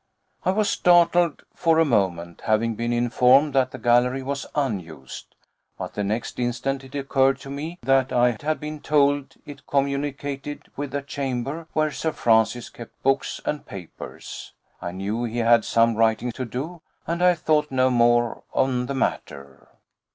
I was startled for a moment, having been informed that the gallery was unused; but the next instant it occurred to me that I had been told it communicated with a chamber where Sir Francis kept books and papers. I knew he had some writing to do, and I thought no more on the matter.